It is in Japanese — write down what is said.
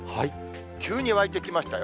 急に湧いてきましたよ。